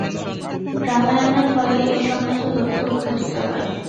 প্রাণায়ামের ফলেই এ-সমস্ত তথ্য উদ্ঘাটিত হয়।